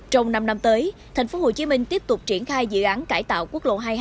trong năm năm tới thành phố hồ chí minh tiếp tục triển khai dự án cải tạo quốc lộ hai mươi hai